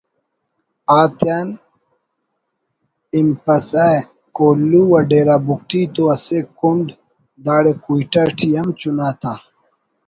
آتیان ہنپسہ کوہلو و ڈیرہ بگٹی تو اسہ کنڈ داڑے کوئٹہ ٹی ہم چنا تا